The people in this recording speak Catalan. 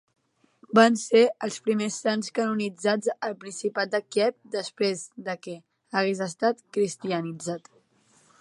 Van ser els primers sants canonitzats al principat de Kíev després que hagués estat cristianitzat.